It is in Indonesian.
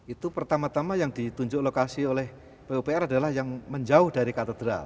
itu pertama tama yang ditunjuk lokasi oleh pupr adalah yang menjauh dari katedral